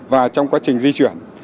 và trong quá trình di chuyển